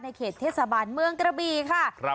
เขตเทศบาลเมืองกระบีค่ะ